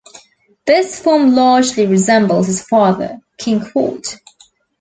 This form largely resembles his father, King Cold.